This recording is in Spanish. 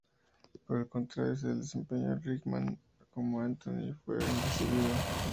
Por el contrario, el desempeño de Rickman como Antoine fue bien recibido.